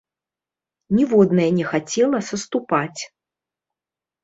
Ніводная не хацела саступаць.